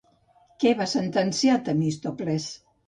Què va sentenciar Temístocles?